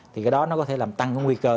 thì cái đó nó có thể làm tăng cái nguy cơ